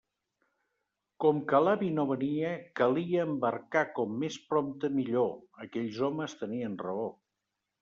Com que l'avi no venia, calia embarcar com més prompte millor; aquells homes tenien raó.